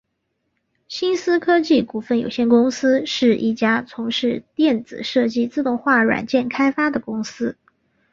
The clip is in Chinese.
新思科技股份有限公司是一家从事电子设计自动化软件开发的公司。